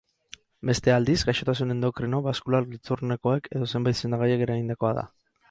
Bestea aldiz, gaixotasun endokrino, baskular, giltzurrunekoek edo zenbait sendagaik eragindakoa da.